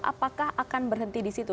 apakah akan berhenti di situ